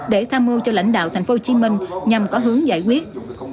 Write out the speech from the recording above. để tham mưu cho lãnh đạo thành phố hồ chí minh nhằm có hướng giải quyết